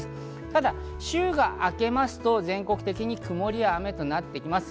ただ週が明けますと全国的に曇りや雨となってきます。